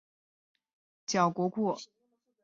所收的贿赂品由扣押机关依法予以没收上缴国库。